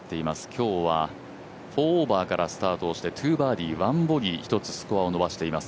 今日は４オーバーからスタートして２バーディー１ボギー、現在スコアを伸ばしています。